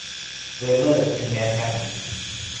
They live in Manhattan.